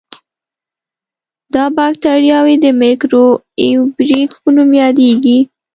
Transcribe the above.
دا بکټریاوې د میکرو آئیروبیک په نوم یادیږي.